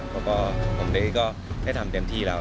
แล้วก็ผมได้ทำเต็มที่แล้ว